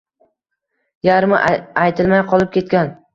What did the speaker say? Yarmi aytilmay qolib ketgan.